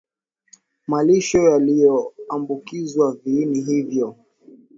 malisho yaliyoambukizwa viini hivyo